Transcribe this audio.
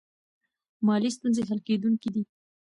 مالي ستونزې حل کیدونکې دي.